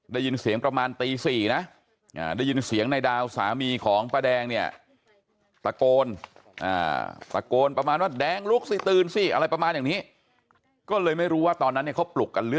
ได้ยินเสียงประมาณตีสี่นะอ่าได้ยินเสียงในดาวสามีของป้าแดงเนี่ย